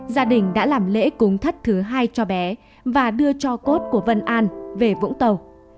gia đình đã làm lễ cúng thất thứ hai cho bé và đưa cho cốt của vân an về vũng tàu